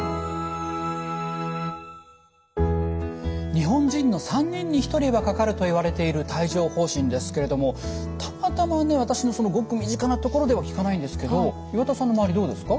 日本人の３人に１人はかかるといわれている帯状ほう疹ですけれどもたまたまね私のごく身近なところでは聞かないんですけど岩田さんの周りどうですか？